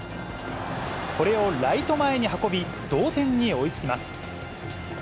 これをライト前に運び、同点に追いつきます。